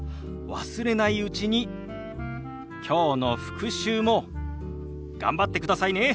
忘れないうちにきょうの復習も頑張ってくださいね。